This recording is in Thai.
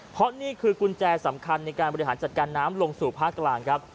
เพราะนี่คือกุญแจสำคัญในการบริหารจัดการน้ำลงสู่ภาคกลางครับ